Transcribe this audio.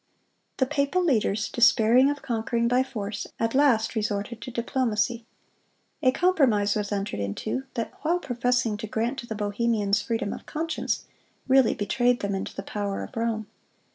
(154) The papal leaders, despairing of conquering by force, at last resorted to diplomacy. A compromise was entered into, that while professing to grant to the Bohemians freedom of conscience, really betrayed them into the power of Rome.